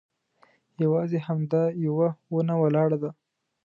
یوازې همدا یوه ونه ولاړه ده.